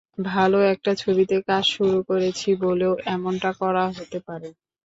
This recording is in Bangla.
ভালো একটা ছবিতে কাজ শুরু করেছি বলেও এমনটা করা হতে পারে।